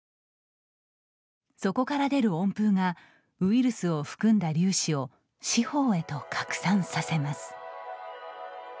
そこから出る温風がウイルスを含んだ粒子を四方へと拡散させます。